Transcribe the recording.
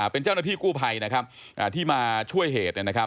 เป็นเจ้าหน้าที่กู้ภัยนะครับที่มาช่วยเหตุ